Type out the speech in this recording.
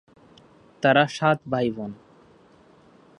তারা সাত ভাইবোন।